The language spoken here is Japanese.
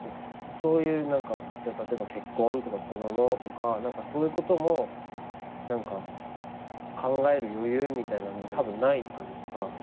そういう何かじゃあ例えば結婚とか子供とかそういうことも考える余裕みたいなのがたぶんないというか。